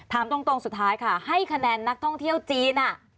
ถามตรงสุดท้ายค่ะให้คะแนนนักท่องเที่ยวจีน